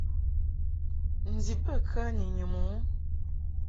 Ndib bə kə ni nyum u ?